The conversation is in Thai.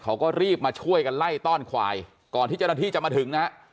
เขาก็รีบมาช่วยกันไล่ต้อนควายก่อนที่เจ้าหน้าที่จะมาถึงนะฮะ